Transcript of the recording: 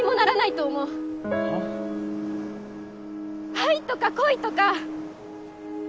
愛とか恋とか。